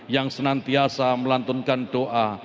yang senantiasa melantunkan doa